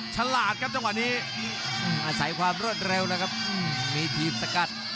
ฉลาดครับจังหวะนี้อาศัยความรวดเร็วแล้วครับมีทีมสกัด